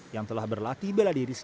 dan juga olimpiade